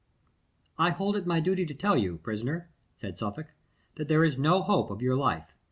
"I hold it my duty to tell you, prisoner," said Suffolk, "that there is no hope of your life.